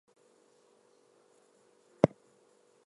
Farranfore railway station connects with Kerry Airport.